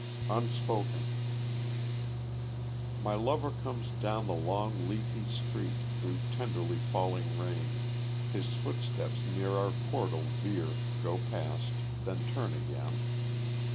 Unspoken My lover comes down the long leafy street Through tenderly falling rain; His footsteps near our portal veer, Go past then turn again.